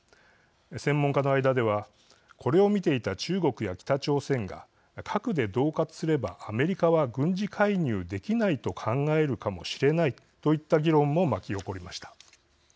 専門家の間ではこれを見ていた中国や北朝鮮が核でどう喝すればアメリカは軍事介入できないと考えるかもしれないといった議論も巻き起こりました。